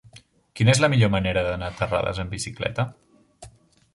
Quina és la millor manera d'anar a Terrades amb bicicleta?